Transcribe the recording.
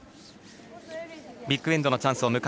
ビッグエンドのチャンス